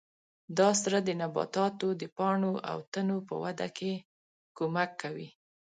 دا سره د نباتاتو د پاڼو او تنو په وده کې کومک کوي.